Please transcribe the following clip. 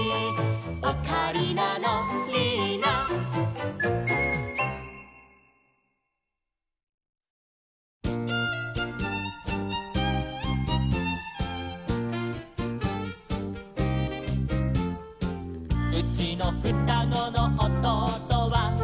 「オカリナのリーナ」「うちのふたごのおとうとは」